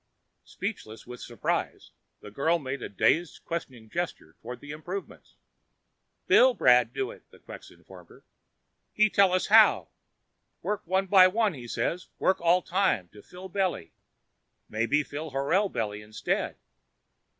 Speechless with surprise, the girl made a dazed questioning gesture toward the improvements. "Billbrad do it," the Quxa informed her. "He tell us how. Work one by one, he say, work all time to fill belly, maybe fill horal belly instead.